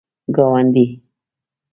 گاونډی